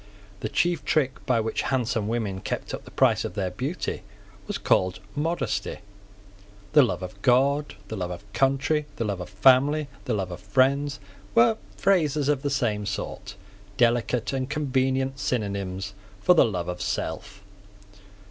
The chief trick by which handsome women kept up the price of their beauty was called modesty. The love of God, the love of country, the love of family, the love of friends, were phrases of the same sort, delicate and convenient synonymes for the love of self.